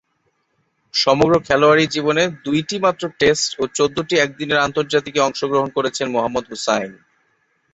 সমগ্র খেলোয়াড়ী জীবনে দুইটিমাত্র টেস্ট ও চৌদ্দটি একদিনের আন্তর্জাতিকে অংশগ্রহণ করেছেন মোহাম্মদ হুসাইন।